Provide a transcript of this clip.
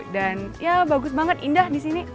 dan ya bagus banget indah di sini